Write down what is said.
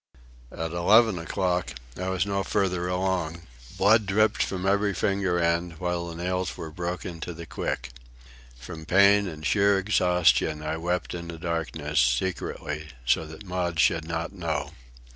At eleven o'clock I was no farther along. Blood dripped from every finger end, while the nails were broken to the quick. From pain and sheer exhaustion I wept in the darkness, secretly, so that Maud should not know.